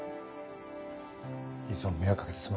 いつも迷惑掛けてすまないね。